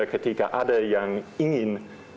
ketika ada yang ingin